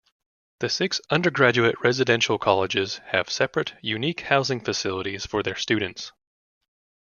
The six undergraduate residential colleges have separate, unique housing facilities for their students.